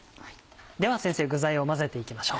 では先生具材を混ぜていきましょう。